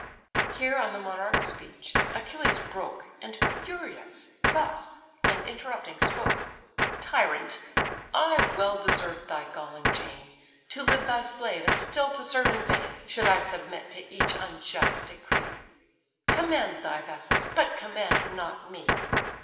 Here on the monarch's speech Achilles broke, And furious, thus, and interrupting spoke: "Tyrant, I well deserved thy galling chain, To live thy slave, and still to serve in vain, Should I submit to each unjust decree:— Command thy vassals, but command not me.